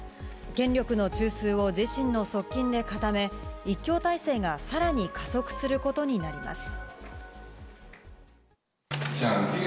権力の中枢を自身の側近で固め、一強体制がさらに加速することになります。